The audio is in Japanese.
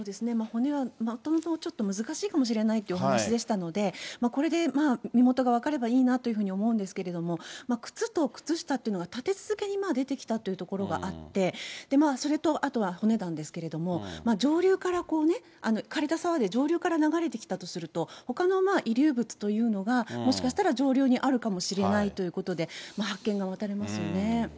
骨はもともと難しいかもしれないというお話でしたので、これでまあ、身元が分かればいいなというふうに思うんですけれども、靴と靴下というのが立て続けに出てきたというところがあって、それと、あとは骨なんですけれども、上流から、かれた沢で上流から流れてきたとすると、ほかの遺留物というのがもしかしたら上流にあるかもしれないということで、発見が待たれますよね。